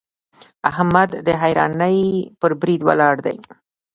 احمد د حيرانۍ پر بريد ولاړ دی.